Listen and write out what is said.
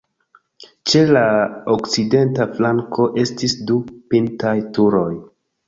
Ĉe la okcidenta flanko estis du pintaj turoj.